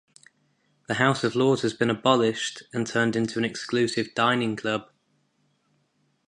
The House of Lords has been abolished and turned into an exclusive dining club.